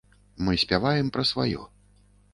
Мы спяваем пра сваё.